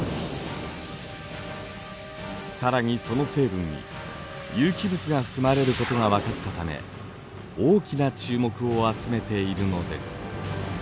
更にその成分に有機物が含まれることがわかったため大きな注目を集めているのです。